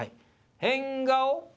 変顔！